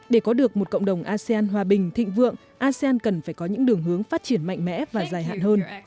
để có được một cộng đồng asean hòa bình thịnh vượng asean cần phải có những đường hướng phát triển mạnh mẽ và dài hạn hơn